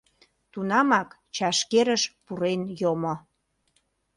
Тунамак чашкерыш пурен йомо.